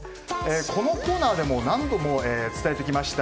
このコーナーでも何度も伝えてきました